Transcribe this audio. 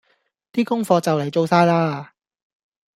的功課就嚟做晒喇